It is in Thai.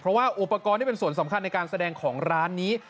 เพราะว่าอุปกรณ์ที่เป็นส่วนสำคัญในการแสดงของร้านนี้